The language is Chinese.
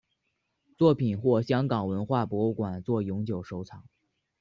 作品获香港文化博物馆作永久收藏。